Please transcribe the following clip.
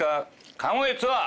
川越ツアー